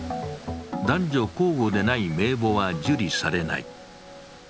男女交互でない名簿は受理されない。